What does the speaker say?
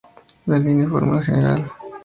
Daniel informa al Gral.